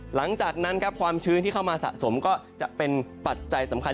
หลังจากนั้นครับความชื้นที่เข้ามาสะสมก็จะเป็นปัจจัยสำคัญ